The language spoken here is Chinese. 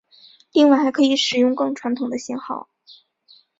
另外还可使用更传统的型号。